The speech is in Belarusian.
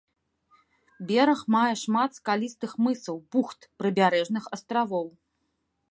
Бераг мае шмат скалістых мысаў, бухт, прыбярэжных астравоў.